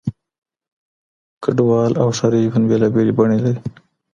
کډوال او ښاري ژوند بېلابېلې بڼې لري.